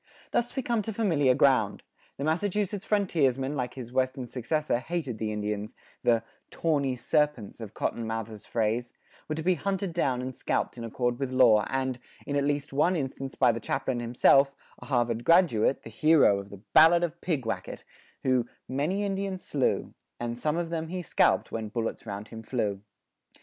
[46:1] Thus we come to familiar ground: the Massachusetts frontiersman like his western successor hated the Indians; the "tawney serpents," of Cotton Mather's phrase, were to be hunted down and scalped in accord with law and, in at least one instance by the chaplain himself, a Harvard graduate, the hero of the Ballad of Pigwacket, who many Indians slew, And some of them he scalp'd when bullets round him flew.